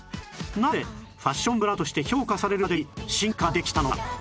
なぜファッションブランドとして評価されるまでに進化できたのか？